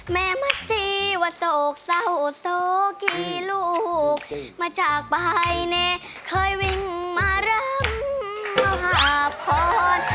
แม่มัดซีวะโศกเศร้าโซกีลูกมาจากไปเน่เคยวิ่งมารับหาพคลอน